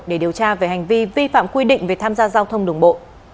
để điều tra về hành vi vi phạm quy định về tham gia giao thông đường bộ